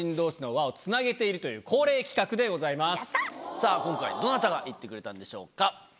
さぁ今回どなたが行ってくれたんでしょうか？